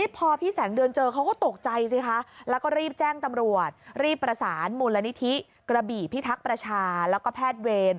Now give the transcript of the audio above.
เริ่มเริ่มเริ่มเริ่มเริ่มเริ่มเริ่มเริ่มเริ่มเริ่ม